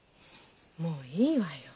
もういいわよ。